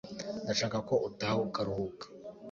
Ndashaka ko utaha ukaruhuka